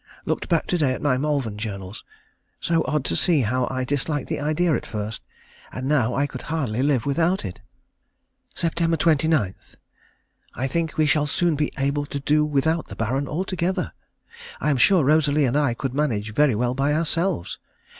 Looked back to day at my Malvern journals. So odd to see how I disliked the idea at first, and now I could hardly live without it. Sept. 29. I think we shall soon be able to do without the Baron altogether. I am sure Rosalie and I could manage very well by ourselves.